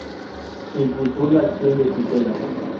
Impulsó la acción de tutela.